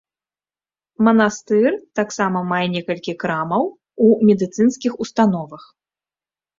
Манастыр таксама мае некалькі крамаў у медыцынскіх установах.